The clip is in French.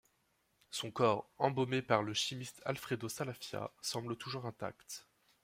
Son corps, embaumé par le chimiste Alfredo Salafia, semble toujours intact.